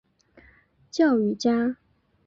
教育家。